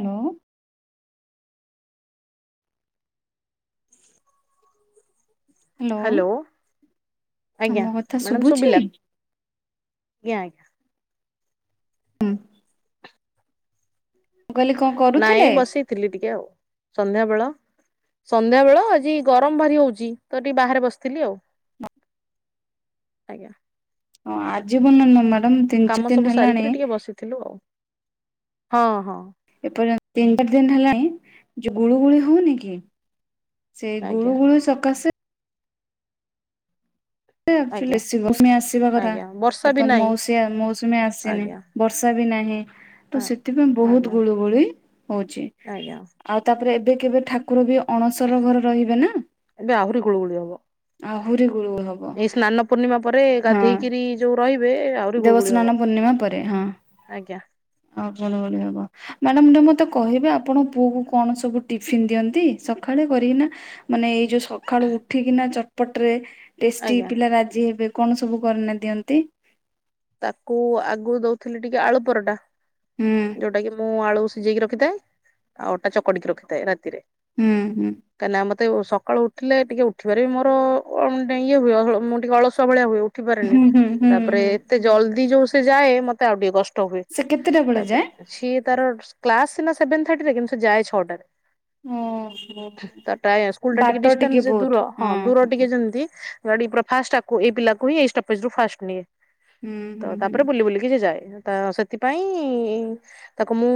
Hello hello, ଆମ ଆଜ୍ଞା କଥା ମ୍ୟାଡାମ୍ ଶୁଭୁଛି? ଶୁଭିଲା। ଜ୍ଞା, ଆଜ୍ଞା। ମୁଁ କହିଲି କଣ କରୁଥିଲେ? ନାଇଁ ବସିଥିଲି ଟିକେ ଆଉ ସନ୍ଧ୍ୟା ବେଳ। ସନ୍ଧ୍ୟା ବେଳ ଆଜି ଗରମ ଭାରି ହଉଛି ତ ଟିକେ ବାହାରେ ବସିଥିଲି ଆଉ। ଆଜ୍ଞା। ହଁ ଆଜି ଭନ ମୋ ମ୍ୟାଡାମ୍ ତିନ ଚାର ଦିନ ହେଲାଣି ଥିଲୁ, ହଁ, ହଁ। ଏପର୍ଯ୍ୟନ୍ତ ତିନି ଚାରି ଦିନ ହେଲାଣି ଯୋଉ ଗୁଳୁ ଗୁଳି ହଉନି କି। ସେଇ ଗୁଳୁ ଆଜ୍ଞା ଗୁଳୁ ସକାଶେ ଏ ଆକ୍ଚୁଲି ଆଜ୍ଞା ବେଶୀ [inaudible] ମୌସୁମୀ ଆସିବା କଥା, ଆଜ୍ଞା ବର୍ଷା ବି ଏପନ୍ତ ନାହିଁ ମୌସୀଆ ମୋସୁମୀ ଆସିନି। ଆଜ୍ଞା ବର୍ଷା ବି ନାହିଁ। ତ ହଁ। ସେଥିପାଇଁ ବହୁତ ଆଜ୍ଞା ଗୁଳୁଗୁଳି ହଉଛି। ଆଜ୍ଞା ଆଉ ତାପରେ ଏବେ କେବେ ଠାକୁର ବି ଅଣସର ଘର ରହିବେ ନା। ଏବେ ଆହୁରି ଗୁଳୁଗୁଳି ହବ। ଆହୁରି ଗୁଳୁଗୁଳି ହବ। ଏଇ ସ୍ନାନ ପୂର୍ଣ୍ଣିମା ପରେ ହଁ ଗାଧେଇକିରି ଯୋଉ ରହିବେ ଏ ଦେବସ୍ନାନ ପୂର୍ଣ୍ଣିମା ପରେ, ହଁ ଆଜ୍ଞା ଆଉ କଣ କରି ହବ। ମ୍ୟାଡ଼ାମ୍ ତ ମୋତେ କହିବେ ଆପଣ ପୁଅ କୁ କଣ ସବୁ ଟିଫିନ୍ ଦିଅନ୍ତି ସଖାଳେ କରିକିନା? ମାନେ ଏଇ ଯୋଉ ସଖାଳୁ ଉଠିକିନା ଚଟପଟ୍ ରେ ଟେଷ୍ଟି ଆଜ୍ଞା। ପିଲା ରାଜି ହେବେ କଣ ସବୁ କରନେ ଦିଅନ୍ତି? ତାକୁ ଆଗରୁ ଦଉଥିଲି ଟିକେ ଆଳୁ ପରଟା, ହୁଁ ଯୋଉଟା କି ମୁଁ ଆଳୁ ସି ସିଜେଇକି ରଖିଥାଏ। ଆଉ ଅଟା ଚକଡିକି ରଖିଥାଏ ରାତିରେ। ହୁଁ, ହୁଁ। କାହିଁକିନା ମୋତେ ଉ, ସକାଳୁ ଉଠିଲେ ଟିକେ ଉଠିବାରେ ମୋର ଅ, ଡେ ଇଏ ହୁଏ। ଅହଳ ମୁଁ ଟିକେ ଅଳସୁଆ ଭଳିଆ ହୁଏ। ଉଠି ପାରେନି। ହୁଁ ହୁଁ ହୁଁ ତାପରେ ହୁଁ ସେ ଜଲଦି ଯୋଉ ସେ ଯାଏ ମତତେ ଆଉ ଟିକେ କଷ୍ଟ ହୁଏ। ସେ କେତେଟା ବେଳେ ଯାଏ? ତାପରେ ସିଏ ତାର କ୍ଲାସ୍ ସିନା ସେଭେନ୍ ଥାଟି ରେ କିନ୍ତୁ ସେ ଯାଏ ଛଅଟାରେ। ଓହୋ ତା ଟାଏ ସ୍କୁଲ୍ ଟା ଟିକେ ବାଟ ଡିସଟାନ୍ସ ଯେ ବହୁତ ଦୂର ହଁ ଦୂର ଟିକେ ହୁଁ ଯେମିତି ଗାଡି ପୁରା ଫାଷ୍ଟ ଆକୁ ଏଇ ପିଲାକୁ ହିଁ ଏଇ ଷ୍ଟପେଜ୍ ରୁ ଫାଷ୍ଟ ନିଏ। ତ ହୁଁ ହୁଁ ତାପରେ ବୁଲି ବୁଲିକି ସେ ଯାଏ। ହଁ ତ ସେ ଥିପାଇଁ ତାକୁ ମୁଁ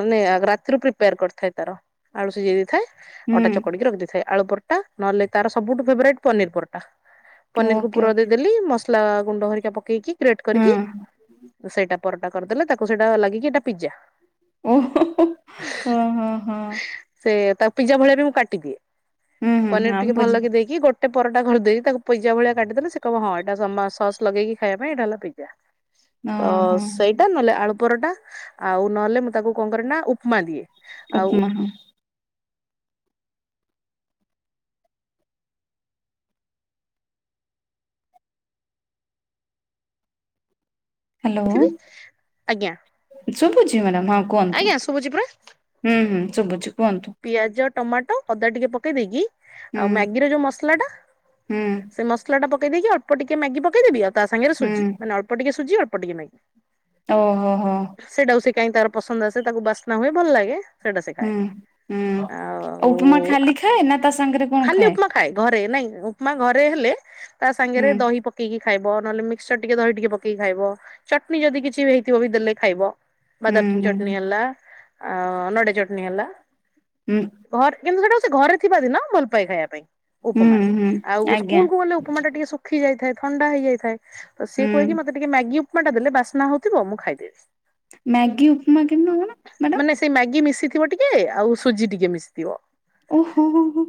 ମାନେ ଆ, ରାତିରୁ ପ୍ରିପେୟାର୍ କରିଥାଏ ତାର। ଆଳୁ ସିଜେଇ ଦେଇ ଥାଏ। ହୁଁ ଅଟା ଚକଡିକି ରଖିଦେଇଥାଏ। ଆଳୁ ପରଟା ନହେଲେ ତାର ସବୁଠୁ ଫେବରାଇଟୂ ପନିର୍ ପରଟା। ପନିର୍ କୁ ଓକେ ପୁର ଓକେ ଦେଇଦେଲି ମସଲା ଗୁଣ୍ଡ ହେରିକା ପକେଇକି ଗ୍ରେଟ୍ ହଁ କରିକି ଅ, ସେଇଟା। ପରଟା କରିଦେଲେ ତାକୁ ସେଇଟା ଲାଗେକି ଏଇଟା ପିଜା। ଓ ହଁ। ସେଇଆ ତାକୁ ପିଜା ଭଳିଆ ବି ମୁଁ କାଟିଦିଏ। ହୁଁ ହୁଁ ପନିର୍ ହଁ ଟିକେ ଭଲ ବୁଝିବା କି ଦେଇକି ଗୋ ଟେ ପରଟା କରଦେଇ ତାକୁ ପିଜା ଭଳିଆ କାଟିଦେଲେ ସେ କହିବ ହଁ ଏଟା ସମା ସସ୍ ଲଗେଇକି ଖାଇବା ପାଇଁ ଏଟା ହେଲା ପିଜା। ତ ଓହୋ ସେଇଟା ନହେଲେ ଆଳୁ ପରଟା। ଆଉ ନଲେ ମୁଁ ତାକୁ କଣ କରେ ନା ଉପୁମା ଦିଏ। ଆଉ ଉପୁମା ହଁ। ହାଲୋ। ଉଠିବି ଆଜ୍ଞା। ଶୁବୁଚି ମ୍ୟାଡ଼ାମ୍ ହଁ କୁହନ୍ତୁ। ଆଜ୍ଞା ଶୁଭୁଛି ପରା ହୁଁ, ହୁଁ ଶୁବୁଛୁ କୁହନ୍ତୁ। ପିଆଜ, ଟମାଟ ଅଦା ଟିକେ ପକେଇ ଦେଇକି ହୁଁ ଆଉ ମ୍ୟାଗି ର ଯୋଉ ମସଲା ଟା, ହୁଁ ସେ ମସଲା ଟା ପକେଇ ଦେଇକି ଅଳ୍ପ ଟିକେ ମ୍ୟାଗି ପକେଇଦେବି। ଆ ତା ସାଙ୍ଗରେ ହୁଁ ସୁଜି, ମାନେ ଅଳ୍ପ ଟିକେ ସୁଜି ଅଳ୍ପ ଟିକେ ମେ ଓ ହୋ, ହଁ। ସେଇଟାକୁ ସିଏ କାଇଁ ତାର ପସନ୍ଦ ଆସେ ତାକୁ ବାସ୍ନା ହୁଏ ଭଲ ଲାଗେ। ସେଇଟା ସେ ଖାଏ। ହୁଁ ହୁଁ ଆଉ ଉପମା ଆ, ଖାଲି ଖାଏ ନା ତା ସାଙ୍ଗରେ କଣ ଖାଲି ଉପମା ଖା ଖାଏ ଘରେ ନାଇଁ ଉପୁମା ଘରେ ହେଲେ ତା ହୁଁ ସାଙ୍ଗରେ ଦହି ପ କିଇକି ଖାଇବ ନହେଲେ ମିକ୍ସଚର ଟିକେ ଦହି ଟିକେ ପକେଇକି ଖାଇବ। ଚଟନୀ ଯଦି କିଛି ବି ହେଇଥିବ ବି ଦେଲେ ଖାଇବ। ହୁଁ ବାଦାପ ହୁଁ ଚଟଣିି ହେଲା। ଆଁ ନଡିଆ ଚଟଣିି ହେଲା ହୁଁ। ଘରେ କିନ୍ତୁ ସେଟାକୁ ସେ ଘରେ ଥିବା ଦିନ ଭଲପାଏ ଖାଇବା ପାଇଁ। ହୁଁ ଉପମାରେ। ହୁଁ ହୁଁ ଆଉ ଗୁ ଆଜ୍ଞା ସ୍କୁଲ କୁ ଗଲେ ଉପୁମା ଟା ଟିକେ ଶୁଖି ଯାଇଥାଏ ଥଣ୍ଡା ହେଇଯାଇଥାଏ। ତ ସିଏ ହୁଁ କୁହେ କି ମତେ ଟିକେ ମ୍ୟାଗି ଉପୁମାଟା ଦେଲେ ବାସ୍ନା ହୋଉଥିବ ମୁଁ ଖାଇଦେବି। ମ୍ୟାଗି ଉପୁମା କେମିତି ବନ? ମାନେ ସେଇ ମ୍ୟାଗି ମିଶିଥିବ ଟିକେ ଆଉ ସୁଜି ଟିକେ ମିଶିଥିବ। ଓହୋ ହୋ ହୋ।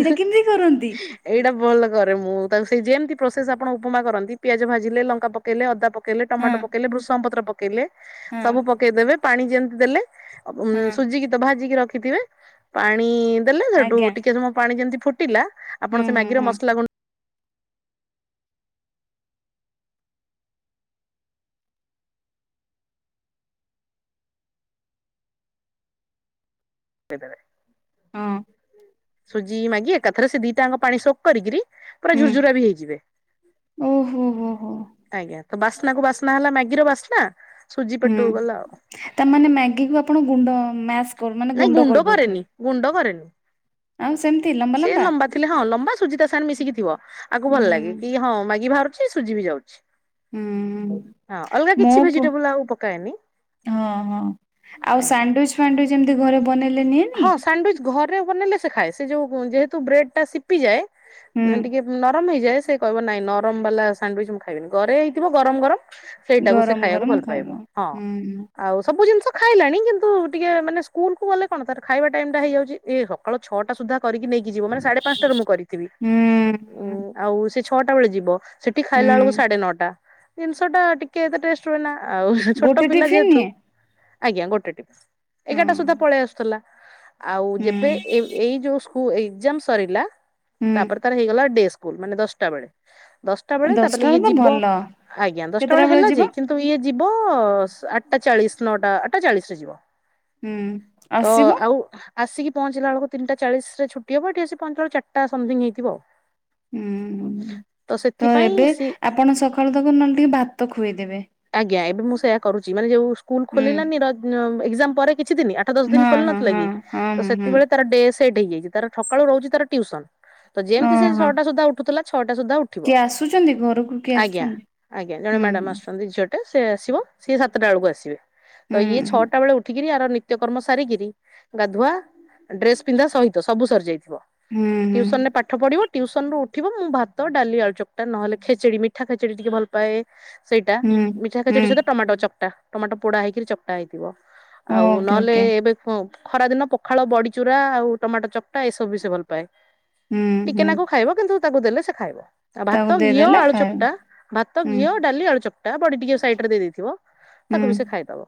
ଏଇଟା କେମିତି କରନ୍ତି? ଏଇଟା ଭଲ କରେ ମୁଁ ତାକୁ ସେଇ ଯେମିତି ପ୍ରୋସେସ୍ ଆପଣ ଉପୁମା କରନ୍ତି। ପିଆଜ ଭାଜିଲେ ଲଙ୍କା ପକେଇଲେ ଅଦା ପ କେଲେ ହଁ ଟମାଟ ପକେଇଲେ ଭୃଷଙ୍ଗ ପତ୍ର ପକେଇଲେ। ହଁ ସବୁ ପକେଇଦେବେ ପାଣି ଯେମିତି ଦେଲେ ଉଁ ହଁ ସୁଜିକି ତ ଭାଜିକି ରଖିଥିବେ। ପାଣି ଦେଲେ ହେଟୁ ଆଜ୍ଞା ଟିକେ ସମୟ ପାଣି ଯେମିତି ଫୁ ଟିଲା ଆପଣ ହୁଁ ସେ ହୁଁ ମ୍ୟାଗିର ହୁଁ ମସଲା ଗୁ [unintelligible] ଦେବେ। ହଁ। ସୁଜି ମାଗି ଏକାଥରେ ସେ ଦିଟାଙ୍କ ପାଣି ଶୋକ୍ କରିକିରି ପୁରା ହୁଁ ଝୁରଝୁରା ବି ହେଇଯିବେ। ଓହୋ ହୋ ହୋ। ଆଜ୍ଞା ତ ବାସ୍ନା କୁ ବାସ୍ନା ହେଲା ମ୍ୟାଗିର ବାସ୍ନା ସୁଜି ହୁଁ ପେଟକୁ ଗଲା ଆଉ। ତାମାନେ ମ୍ୟାଗି କୁ ଆପଣ ଗୁଣ୍ଡ ମ୍ୟାସ୍ କରୁ ମାନେ ନାଇଁ ଗୁଣ୍ଡ କରିଦଉଥିବେ କରେନି। ଗୁଣ୍ଡ କରେନି ସିଏ ଲମ୍ବା ଥିଲେ ହଁ ଲମ୍ବା ସୁଜି ତା ସାଙ୍ଗେରେ ମିଶିକି ଥିବ। ଆକୁ ଭଲ ଲାଗେ ହୁଁ କି ହଁ ମାଗି ବାହାରୁଚି ସୁଜି ବି ଯାଉଚି। ହୁଁ ଉୁଁ। ମୁଁ ପୁ ଭେଜିଟେବୁଲ ଆଉ ପକାଏନି ହଁ ହଁ ଆଉ ଆଜ୍ଞା। ସାଣ୍ଡୁଇଚ୍ ସାଣ୍ଡୁଇଚି ଏମିତି ଘରେ ବନେଇଲେ ନିଏ। ହଁ ସାଣ୍ଡୱିଚ ଘରେ ବନେଇଲେ ସେ ଖାଏ। ସେ ଯୋଉ ଉଁ ଯେହେତୁ ବ୍ରେଡ ଟା ସିପି ଯାଏ। ହୁଁ ଉଁ ଟିକେ ନରମ ହେଇଯାଏ। ସେ କହିବ ନାଇଁ ନରମବାଲା ସାଣ୍ଡୁଇଚି ମୁଁ ଖାଇବିନି। ଗରେ ହେଇଥିବ ଗରମ ଗରମ ସେଇଟାକୁ ସେ ଗରମ ଖାଇବାକୁ ଗରମ ଭଲ ପାଇବ। ଖାଇବ। ହଁ। ହୁଁ ହୁଁ ଆଉ ସବୁ ଜିନିଷ ଖାଇଲାଣି କିନ୍ତୁ ଟିକେ ମାନେ ସ୍କୁଲ କୁ ଗଲେ କଣ ତାର ଖାଇବା ଟାଇମ ଟା ହେଇଯାଉଚି। ଇଏ ସକାଳ ଛଟା ସୁଦ୍ଧା କରିକି ନେଇକି ଇ ଯିବ ମାନେ ସାଢେ ପାଞ୍ଚଟାରୁ ମୁଁ କରିଥିବି। ଉଁ ହୁଁ ଆଉ ସେ ଛଅଟା ବେଳେ ଯିବ। ସେଟି ଖାଇଲାଳେକୁ ହୁଁ ସାଢେ ନଅଟା। ଜିନିଷ ଟା ଟି କି ଏତେ ଟେଷ୍ଟ୍ ହୁଏନା। ଆଉ ଛୋଟ ଗୋଟେ ପିଲା ଟିଫିନ ଯେହେତୁ ନିଏ ଆଜ୍ଞା ଗୋଟେ ଟି ହଁ ଏଗାରଟା ସୁଦ୍ଧା ପଳେଇ ଆସୁଥିଲା। ଆଉ ହୁଁ ଯେବେ ଏ ଏଇ ଯୋଉ ସ୍କୁ ଏଗ୍ଜାମ ସରିଲା। ହୁଁ। ତାପରେ ତାର ହେଇଗଲା ଡେ ସ୍କୁଲ। ମାନେ ଦଶଟା ବେଳେ। ଦଶଟା ବେଳେ ଦଶଟା ତାପରେ ଇଏ ତ ଯିବ। ଭଲ ଆଜ୍ଞା ଦଶଟା କେତେଟା ବେଳେ ହେଲା ଯିବ ଯେ କିନ୍ତୁ ତ ଇଏ ଯିବ ଆଠଟା ଚାଳିଶ ନଅଟା ଆଠଟା ଚାଳିଶ ରେ ଯିବ। ହୁଁ। ତ ଆସିବ ଆଉ ଆସିକି ପହଞ୍ଚିଲା ବେଳକୁ ତିନିଟା ଚାଳିଶ ରେ ଛୁଟି ହବ ଏଠି ଆସିକି ପହଞ୍ଚିଲା ବେଳକୁ ଚାରିଟା ସମଥିଙ୍ଗ ହେଇଥିବ ଆଉ। ଉୁଁ ତ ସେଥିପାଇଁ ଏବେ ସି ଆପଣ ସକାଳୁ ତାକୁ ନହେଲେ ଟିକେ ଭାତ ଖୁଆଇଦେବେ। ଆଜ୍ଞା ଏବେ ମୁଁ ସେୟା କରୁଛି ମାନେ ଯୋଉ ସ୍କୁଲ ହୁଁ ଖୋଲିଲାନି ର ଏକ୍ସାମ୍ ପରେ କିଛିଦିନି ଆଠ ଦଶ ଦିନି ହଁ ଖୋଲି ହଁ ନଥିଲା ହଁ। କି? ହଁ ତ ହୁଁ ହୁଁ ସେତିକି ବେଳେ ତାର ଡେଶ୍ ସେଟ୍ ହେଇଯାଇଛି ତାର ସକାଳୁ ରହୁଛି ତାର ଟିୟୁସନ। ତ ଯେମିତି ସେ ଓହୋ ଛଅଟା ସୁଦ୍ଧା ଉଠୁଥିଲା ଛଅଟା ସୁଦ୍ଧା ଉଠିବ। କିଏ ଆସୁଛନ୍ତି ଘରକୁ କିଏ ଆଜ୍ଞା, ଆସୁଛନ୍ତି ଆଜ୍ଞା ଜଣେ ହୁଁ ମ୍ୟାଡାମ ହୁଁ ଆସୁଛ ଝିଅଟେ ସେ ଆସିବ ସିଏ ସାତଟା ବେଳକୁ ଆସିବେ ତ ହୁଁ ଇଏ ହୁଁ। ଛଅଟା ବେଳେ ଉ ଉଠିକିରି ଆର ନିତ୍ୟକର୍ମ ସାରିକିରି ଗାଧୁଆ ଡ୍ରେସ ପିନ୍ଧା ସହିତ ସବୁ ସରିଯାଇଥିବ। ହୁଁ ହୁଁ ଟିୟୁସନ୍ ରେ ପା ଠ ପଢିବ ଟିୟୁସନ୍ ରୁ ଉଠିବ ମୁଁ ଭାତ ଡାଲି ଆଳୁ ଚକଟା ନହେଲେ ଖେଚେଡି ମିଠା ଖେଚେଡି ଟିକେ ଭଲ ପାଏ। ସେଇଟା ହୁଁ ମିଠା ହୁଁ ଖେଚେଡି ସହିତ ଟମାଟୋ ଚକ୍ଟା ଟମାଟୋ ପୋଡ଼ା ହେଇକିରି ଚକ୍ଟା ହେଇଥିବ। ଆଉ ଓକେ ନହେଲେ ଓକେ ଏବେ ଖରା ଦିନ ପଖାଳ ବଡିଚୁରା ଆଉ ଟମାଟୋ ଚ କ୍ଟା ଏସବୁ ବି ସେ ଭଲ ପାଏ ହୁଁ ହୁଁ ଟିକେନାକୁ ଖାଇବ କିନ୍ତୁ ତାକୁ ଦେଲେ ସେ ଖାଇବ। ଆଉ ତାକୁ ଭାତ ଘିଅ ଦେଇଦେଲେ ଆଳୁ ଖାଇବ ଚକ୍ଟା ଭାତ ହୁଁ ଘିଅ ଡାଲି ଆଳୁ ଚକ୍ଟା ବଡି ଟିକେ ସାଇଡ ରେ ଦେଇଦେଇଥିବ ହୁଁ ତାକୁ ବି ସେ ଖାଇଦବ,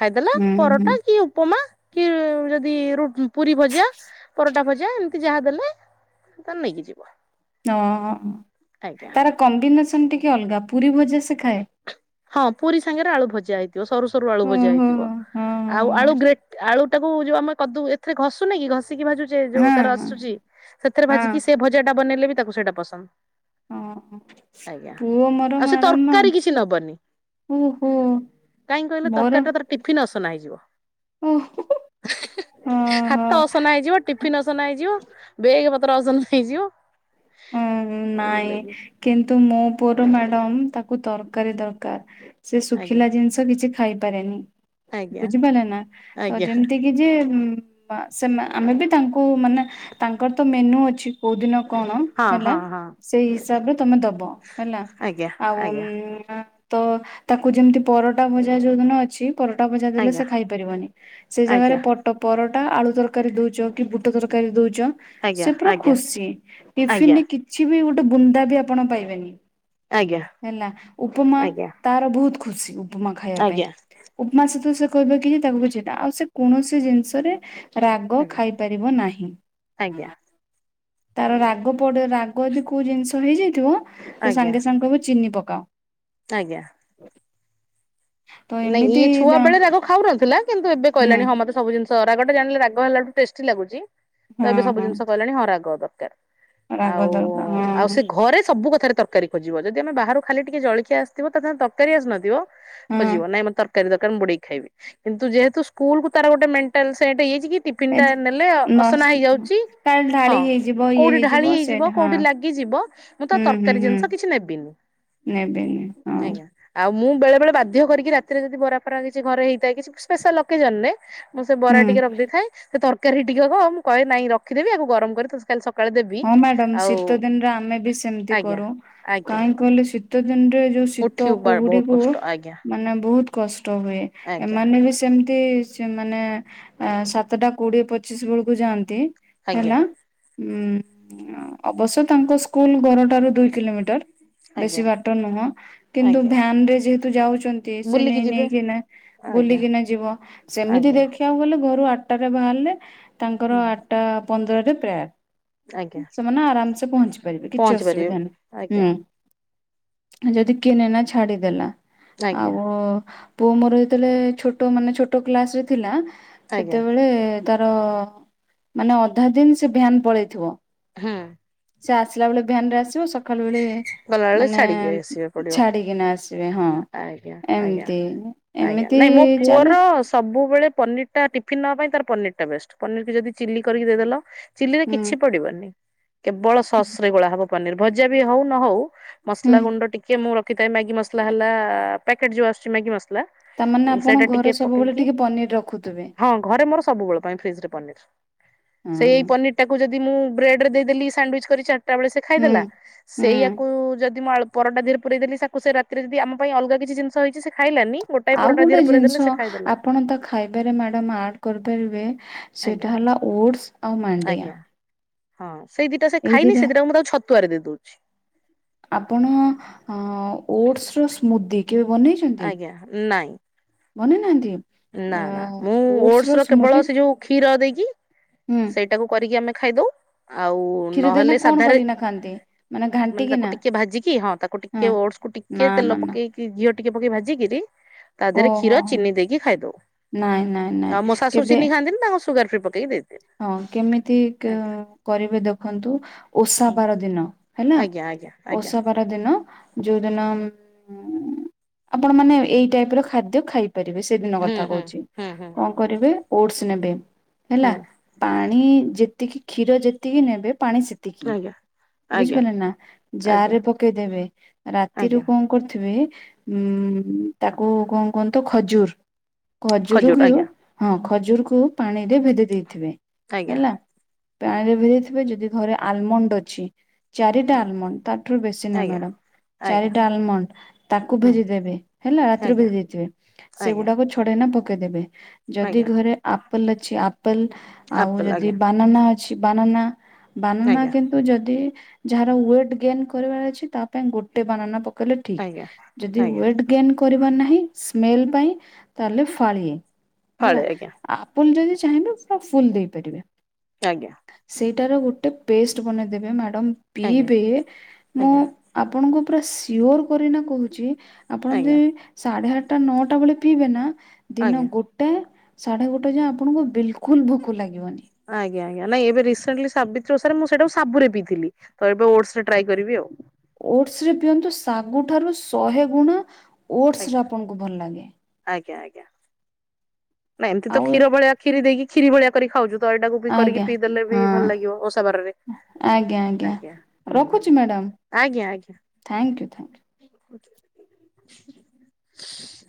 ଖାଇଦେଲା ହୁଁ ହୁଁ ପରଟା କି ଉପମା କି ଯଦି ରୁ ପୁରୀ ଭଜା ପରଟା ଭଜା ଏମିତି ଯାହା ଦେଲେ ତ ନେଇକି ଯିବ। ଓହୋ ଆଜ୍ଞା ତାର କମ୍ବିନେସନ୍ ଟିକେ ଅଲଗା ପୁରୀ ଭଜା ସେ ଖାଏ? ହଁ ପୁରୀ ସାଙ୍ଗେରେ ଆଳୁ ଭଜା ହେଇ ଥିବ ସରୁ-ସରୁ ଆଳୁ ଭଜା ଓହୋ ହେଇଥିବ ହଁ ଆଉ ହଁ ଆଳୁ ଗ୍ରେ ଆଳୁ ଟାକୁ ଯଉ ଆମେ କଦୁ ସେଥିରେ ଘସୁନେ କି ଘଷିକି [unintelligible] ଯୋଉ ତାର ହଁ ଆସୁଚି ସେଥିରେ ହଁ ଭାଜିକି ସେ ଭଜା ଟା ବନେଇଲେ ବି ତାକୁ ସେଇଟା ପସନ୍ଦ। ହଁ ଆଜ୍ଞା। ପୁଅ ମୋର ଆଉ ସେ ତରକାରୀ ମ୍ୟାଡମ୍ କିଛି [unintelligible] ଓହୋ କାଇଁକି କଇଲ ମୋର ତରକାରୀ ଟା ତାର ଟିଫିିନ୍ ଅସନା ହେଇଯିବ। ଓହୋ ଓହୋ ହାତ ଅସନା ହେଇଯିବ ଟି ଫିନ୍ ଅସନା ହେଇଯିବ ବେଗେ ପତ୍ର ଅସନା ହେଇଯିବ ହୁଁ-ହୁଁ ନାଇଁ ବୁଝିଲେ କି କିନ୍ତୁ ମୋ ପୁଅର ମ୍ୟାଡମ୍ ତାକୁ ତରକାରୀ ଦରକାର୍, ସେ ଆଜ୍ଞା ଶୁଖିଲା ଜିନିଷ କିଛି ଖାଇପାରେନି ଆଜ୍ଞା। ବୁଝିପାରିଲ ନା ତ ଆଜ୍ଞା ଯେମ୍ତି କି ଯେ ବା ସେ ଆମେ ବି ତାଙ୍କୁ ମାନେ ତାଙ୍କର ତ ମେନୁ ଅଛି କୋଉ ଦିନ କଣ ହେଲା ହଁ-ହଁ-ହଁ। ସେଇ ହିସାବରେ ତମେ ଦବ ହେଲା ଆଜ୍ଞା ଆଉ ଆଜ୍ଞା ତ ତାକୁ ଯେମ୍ତି ପରଟା ଭଜା ଯୋଉଦିନ ଅଛି ପରଟା ଭଜା ଦେଲେ ସେ ଆଜ୍ଞା ଖାଇ ପାରିବନି, ସେ ଜାଗାରେ ଆଜ୍ଞା। ପ ଟ ପରଟା ଆଳୁ ତରକାରୀ ଦଉଚ କି ବୁଟ ତରକାରୀ ଦଉଚ ଆଜ୍ଞା ସେ ପୁରା ଆଜ୍ଞା ଖୁସି। ଆଜ୍ଞା ଟିଫିନରେ କିଛି ବି ଗୋଟେ ବୁନ୍ଦା ବି ଆପଣ ପାଇବେନି। ଆଜ୍ଞା ହେଲା ଉପମା ଆଜ୍ଞା ତାର ବହୁତ୍ ଖୁସି ଉପମା ଖାଇବା ପାଇଁ। ଆଜ୍ଞା ଉପମା ସହିତ ସେ କହିବ କି ତାକୁ କିଛି [unintelligible] ଆଉ ସେ କୌଣସି ଜିନିଷରେ ରାଗ ଆଜ୍ଞା ଖାଇପାରିବ ନାହିଁ, ଆଜ୍ଞା। ତାର ରା ରାଗ ପଡ଼େ ରାଗ ଯଦି କୋଉ ଜିନିଷ ହେଇଯାଇଥିବ, ସେ ଆଜ୍ଞା ସାଙ୍ଗେ-ସାଙ୍ଗେ କହିବ ଚିନି ପକାଅ। ଆଜ୍ଞା। [unintelligible] [inaudible] ନାଇଁ ଏମିତି ଇଏ ଛୁଆ ତା ବେଳେ ରାଗ ଖାଉନଥିଲା କିନ୍ତୁ ଏବେ ହୁଁ କହିଲାଣି ହଁ ମତେ ସବୁ ଜିନିଷ ରାଗ ଟା ଜାଣିଲା ରାଗ ହେଲାଠୁ ଟେଷ୍ଟି ଲାଗୁଚି। ତ ହଁ ଏବେ ସବୁ ହଁ ଜିନିଷ କହିଲାଣି ହଁ ରାଗ ଦରକାର୍। ରାଗ ଦରକାର ହଁ ଆଉ-ଆଉ ହଁ ସେ ଘରେ ସବୁ କଥାରେ ତରକାରୀ ଖୋଜିବ, ଯଦି ଆମେ ବାହାରୁ ଖାଲି ଟିକେ ଜଳିଖିଆ ଆସିଥିବ ତା ସାଙ୍ଗେରେ ତରକାରୀ ଆସିନଥିବ ହଁ ଖୋଜିବ, ନାଇଁ ମୋର ତରକାରୀ ଦରକାର ମୁଁ ବୁଡେଇକି ଖାଇବି କିନ୍ତୁ ଯେହେତୁ ସ୍କୁଲକୁୁ ତାର ଗୋଟେ ମେଣ୍ଟାଲ୍ ସେଟ୍ ହେଇଯାଇଚି କି ଟିଫିନ୍ ଏ ଟା ନେଲେ ନସ୍ ଅସନା ହେଇଯାଉଚି, କାଳେ ହଁ ଢାଳି ହେଇଯିବ ଇଏ କୋଉଠି ଢାଳି ସେଇଟା ହେଇଯିବ ହଁ। କୋଉଠି ଲାଗିଯିବ ମୁଁ ତ ତରକାରୀ ଜିନିଷ କିଛି ନେବିନି। ନେବିନି ହଁ। ଆଜ୍ଞା। ଆଉ ମୁଁ ବେଳେ-ବେଳେ ବାଧ୍ୟ କରିକି ରାତିରେ ଯଦି ବରା ଫରା କିଛି ଘରେ ହେଇଥାଏ କିଛି ସ୍ପେଶାଲ୍ ଅକେଜନ୍ ରେ ମୁଁ ସେ ବରା ହୁଁ। ଟିକେ ରଖିଦେଇ ଥାଏ ସେ ତରକାରୀ ଟିକକ ମୁଁ କହେ ନାଇଁ ରଖିଦେବି ଆକୁ ଗରମ କରି ତେତେ କାଲି ସକାଳେ ଦେବି। ହଁ ମ୍ୟାଡମ୍ ଆଉ ଶୀତ ଦିନରେ ଆମେ ବି ସେମିତି ଆଜ୍ଞା କରୁ, ଆଜ୍ଞା କାଇଁ କହିଲେ ଶୀତ ଦିନରେ ଯୋଉ ଶୀତ ଉଠି କୁହୁଡି ବହୁତ କୁ କଷ୍ଟ ଆଜ୍ଞା ମାନେ ବହୁତ୍ କଷ୍ଟ ହୁଏ, ଆଜ୍ଞା ଏମାନେ ବି ସେମ୍ତି ଏମାନେ ଆଁ ସାତଟା କୋଡିଏ ପଚିଶ ବେଳକୁ ଯାଆନ୍ତି ଆଜ୍ଞା ହେଲା। ଉଁ ଅବଶ୍ୟ ତାଙ୍କ ସ୍କୁଲ୍ ଘରଠାରୁ ଦୁଇ କିଲୋମିଟର୍। ବେଶୀ ଆଜ୍ଞା ବାଟ ନୁହଁ କିନ୍ତୁ ଆଜ୍ଞା ଭ୍ୟାନ୍ ରେ ଯେହେତୁ ଯାଉଚନ୍ତି ସେ ବୁଲିକି ନେଇ ଯିବେ ନେଇକିନା ଆଜ୍ଞା ବୁଲିକିନା ଯିବ, ସେମିତି ଦେଖି ଆଜ୍ଞା ଦେଖିବାକୁ ଗଲେ ଘରୁ ଆଠଟାରେ ବାହାରିଲେ ହୁଁ ତାଙ୍କର ଆଠଟା ପନ୍ଦରରେ ପ୍ରେୟାର୍। ଆଜ୍ଞା। ସେମାନେ ଆରାମ ସେ ପହଞ୍ଚି ପାରିବେ କିଛି ପହଞ୍ଚି ପାରିବେ ଅସୁବିଧା ଆଜ୍ଞା ନାହିଁ। ହୁଁ ଯଦି କିଏ ନେନା ଛାଡିଦେଲା ଆଉ ଆଜ୍ଞା ପୁଅ ମୋର ଯେତେବେଳେ ଛୋଟ ମାନେ ଛୋଟ କ୍ଲାସ ରେ ଥିଲା ଆଜ୍ଞା ସେତେବେଳେ ତାର ମାନେ ଅଧା ଦିନ୍ ସେ ଭ୍ୟାନ ପଳେଇଥିବ। ହୁଁ। ସେ ଆସିଲା ବେଳେ ଭ୍ୟାନ୍ ରେ ଆସିବ ସକାଳୁ ଓଳି ଗଲାବେଳେ ମାନେ ଛାଡିକି ଆସିବାକୁ ପଡିବ ଛାଡିକିନା ଆସିବେ ହଁ ଆଜ୍ଞା ଆଜ୍ଞା ଏମତି। ଆଜ୍ଞା ନାଇଁ ମୋ ପୁଅର ସବୁବେଳେ ପନିର୍ ତା ଟିଫିିନ ନବା ପାଇଁ ତାର ପନିର୍ ଟା ବେଷ୍ଟ, ପନିର କି ଯଦି ଚିଲି କରିକି ଦେଇଦେଲ ଚିଲି ରେ ହୁଁ କିଛି ପଡିବନି, କେବଳ ସସ୍ ରେ ଗୋଳା ହବ ପନିର ଭଜା ବି ହଉ ନ ହଉ। ମସଲା ହୁଁ ଗୁଣ୍ଡ ଟିକେ ମୁଁ ରଖିଥାଏ ମ୍ୟାଗି ମସଲା ହେଲା, ପ୍ୟାକେଟ୍ ଯୋଉ ଆସୁଛି ମ୍ୟାଗି ମସ ଲା ତାମାନେ ଆପଣ ସେଇଟା ଘରେ ଟିକେ ସବୁବେଳେ ପକେଇକି ଟିକେ ପନିର ରଖୁଥିବେ ହଁ ଘରେ ମୋର ସବୁବେଳ ପାଇଁ ଫ୍ରିଜରେ ପନିର୍। ସେଇ ହଁ ପନିର ଟାକୁ ଯଦି ମୁଁ ବ୍ରେଡ ରେ ଦେଇଦେଲି ସାଣ୍ଡୱେଜ୍ କରି ଚାରିଟା ବେଳେ ସେ ହୁଁ ଖାଇଦେଲା, ହୁଁ ସେଇଆକୁ ଯଦି ମୁଁ ଆଳୁ ପରଟା ଧୀଏରେ ପୁରେଇ ଦେଲି ତାକୁ ସେ ରାତିରେ ଯଦି ଆମ ପାଇଁ ଅଲଗା କିଛି ଜିନିଷ ହେଇଛି ସେ ଖାଇଲାନି ଗୋଟେ ଆଉ ଗୋଟେ ଜିନିଷ ଆପଣ ତା ଖାଇବାରେ ମ୍ୟାଡ଼ାମ୍ ଆଡ଼ କରିପାରିବେ ଆଜ୍ଞା ସେଇଟା ହେଲା, ଓଟସ୍ ଆଉ ମାଣ୍ଡିଆ। ଆଜ୍ଞା ହଁ ସେଇ ଦିଟା ସେ ଏଇ ଖାଇନି ଦିଟା ସେ ଦିଇଟା ମୁଁ ତାକୁ ଛତୁଆରେ ଦେଇଦଉଛି। ଆପଣ ଉମ ଓଟସ ର ସ୍ମୁଦି, କେବେ ବନେଇ ଆଜ୍ଞା ନାଇଁ। ବନେଇ ନାହାନ୍ତି। ନାଁ ନାଁ ମୁଁ ଓଟସ ର କେବଳ ସେ ଯୋଉ କ୍ଷୀର ଦେଇକି। ହୁଁ। ସେଇଟାକୁ କରିକି ଆମେ ଖାଇଦଉ ଆଉ କ୍ଷୀର ଦେଇନା ନହେଲେ କଣ ସାଧାରେ କରିକିନା ଖାଆନ୍ତି? ମାନେ ତାକୁ ଘାଣ୍ଟିକିନା ଟିକେ ଭାଜିକି ହଁ ତାକୁ ଟିକେ ହଁ ଓଟସ୍ କୁ ନା ଟିକେ ନା ତେଲ ନା ପକେଇକି ଘିଅ ଟିକେ ପକେଇ ଭାଜିକିରି ତା ଦେହରେ ଓହୋ କ୍ଷୀର, ହୋ ଚିନି ଦେଇକି ଖାଇ ନାଇଁ ନାଇଁ ନାଇଁ ଆଉ ମୋ ଶାଶୁ କେବେ ଚିନି ଖାଆନ୍ତିନି ତାଙ୍କୁ ସୁଗାର ଫ୍ରି ପକେଇକି ଦେଇ ହଁ କେମିତି କ କରିବେ ଦେଖନ୍ତୁ ଓଷା ଉଁ ବାର ଦିନ। ହେଲା ଆଜ୍ଞା ଆଜ୍ଞା ଆଜ୍ଞା ଓଷା ବାର ଦିନ ଯୋଉ ଦିନ ଉମ ଆପଣ ମାନେ ଏଇ ଟାଇପ୍ ର ଖାଦ୍ୟ ଖାଇ ପାରିବେ ସେଦିନ ହୁଁ କଥା ହୁଁ କହୁଛି ହୁଁ ହୁଁ କଣ କରିବେ ଓଟସ୍ ନେବେ ହେଲା। ହୁଁ ପାଣି ଯେତିକି କ୍ଷୀର ଯେତିକି ନେବେ ପାଣି ସେତ ତିକି ଆଜ୍ଞା ଆଜ୍ଞା ବୁଝିପାରିଲେ ନା, ଆଜ୍ଞା ଜାରରେ ପକେଇଦେବେ ରାତିରୁ ଆଜ୍ଞା କଣ କରିଥିବେ ଉଁ ତାକୁ କଣ କୁହନ୍ତୁ ତ ଖଜୁର। ଖଜୁର ଖଜୁରକୁ ଆଜ୍ଞା ହଁ ଖଜୁରକୁ ପାଣି ରେ ଭେଦେଇ ଦେଇଥିବେ। ଆଜ୍ଞା ହେଲା, ପାଣିରେ ଭେଦେଇଥିବେ ଯଦି ଘରେ ଆଲମଣ୍ଡ ଅଛି। ହଁ ଚାରିଟା ଆଲମଣ୍ଡ ତାଠାରୁ ବେଶୀ ନାହିଁ ଆଜ୍ଞା ମ୍ୟାଡ଼ାମ। ଆଜ୍ଞା। ଚାରିଟା ଆଲମଣ୍ଡ ତାକୁ ହୁଁ ଭେଜି ଦେବେ ହେଲା ରାତିରୁ ଆଜ୍ଞା ଭେଜି ଦେଇଥିବେ। ଆଜ୍ଞା ସେଗୁଡାକ ପକେଇ ଦେବେ ଯଦି ଆଜ୍ଞା ଘରେ ଆପଲ ଆଲ ଆପଲ୍ ଆ ଯ ଆଜ୍ଞା ବାନାନା ଅଛି ବାନାନା ଆଜ୍ଞା ତ ଯଦି ଯାହାର ୱେଟ ଗେନ୍ କରିବାର ଅଛି ତା ପାଇଁ ଗୋଟେ ବାନାନା ପ କଲେ ଠିକ ଆଜ୍ଞା ଯଦି ଆଜ୍ଞା ୱେଟ ଗେନ୍ କରିବାର ନାହିଁ ସ୍ମେଲ ପାଇଁ ତାହେଲେ ଫଳିଏ ଫାଳେ ହେଲା। ଆଜ୍ଞା ଆପୁଲ ଯଦି ଚାହିଁବେ ପୁରା ଫୁଲ ଦେଇପାରିବେ। ଆଜ୍ଞା। ସେଇଟାର ଗୋଟେ ପେଷ୍ଟ ବନେଇଦବେ ମ୍ୟାଡ଼ାମ ଆଜ୍ଞା ପିଇବେ ମୁଁ ଆଜ୍ଞା ଆପଣଙ୍କୁ ପୁରା ସିଓର କରିନା କହୁଛି ଆପଣ ଯଦି ଆଜ୍ଞା ସାଢେ ଆଠଟା, ନଅଟା ବେଳେ ପିଇବେ ନା ଦିନ ଆଜ୍ଞା ଆଜ୍ଞା ଗୋଟେ ଗୋଟେ ସାଢେ ଗୋଟେ ଯାଏ ଆପଣଙ୍କୁ ବିଲକୁଲ ଭୋକ ଲାଗିବନି। ଆଜ୍ଞା, ଆଜ୍ଞା ନଁ ଏବେ ରିସେଣ୍ଟଲି ସାବିତ୍ରୀ ଓଷାରେ ମୁଁ ସେଟା ଶାବୁରେ ପିଇଥିଲି। ତ ଏବେ ଓଟସ୍ ରେ ଟ୍ରାଏ କରିବି ଆଉ। ଓଟସ୍ ରେ ପିଅନ୍ତୁ ଶାଗୁଠାରୁ ଶହେ ଗୁଣ ଓଟସ୍ ରେ ଆଜ୍ଞା ଆପଣଙ୍କୁ ଭଲ ଲାଗେ। ଆଜ୍ଞା ଆଜ୍ଞା। ନା ଏମତି ତ ଆଉ କ୍ଷୀର ଭଳିଆ କ୍ଷୀରି ଦେଇକି କ୍ଷୀରି ଭଳିଆ କରିିକି ଖାଉଚୁ ତ ଏଟାକୁ ବି କରିକି ଆଜ୍ଞା ପିଇଦେଲେ ବି ହଁ ଭଲ ଲାଗିବ ଓଷା ବାରରେ। ଆଜ୍ଞା ଆଜ୍ଞା। ହୁଁ ହୁଁ ରଖୁଚି ମ୍ୟାଡ଼ାମ। ଆଜ୍ଞା ଆଜ୍ଞା ଥ୍ୟାଙ୍କୟୁ ଥ୍ୟାଙ୍କୟୁ। [inaudible]